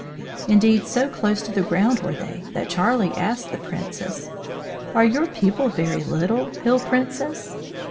Indeed, so close to the ground were they that Charlie asked the Princess: "Are your people very little, Hill Princess?"